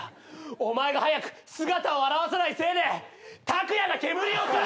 お前が早く姿を現さないせいでタクヤが煙を吸う！